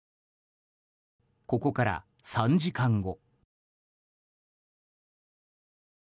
ここから３時間後。